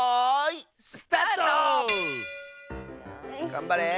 がんばれ。